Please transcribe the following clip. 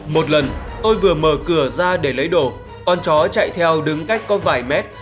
một lần tôi vừa mở cửa ra để lấy đồ con chó chạy theo đứng cách có vài mét